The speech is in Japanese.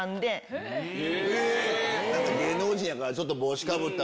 芸能人やから。